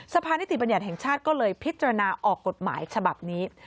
สภานิติบัญญัติแห่งชาติก็เลยพิจารณาออกกฎหมายฉบับนี้